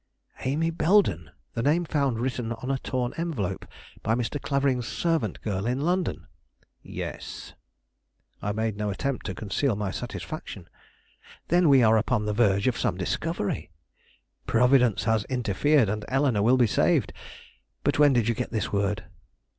"Amy Belden! the name found written on a torn envelope by Mr. Clavering's servant girl in London?" "Yes." I made no attempt to conceal my satisfaction. "Then we are upon the verge of some discovery; Providence has interfered, and Eleanore will be saved! But when did you get this word?"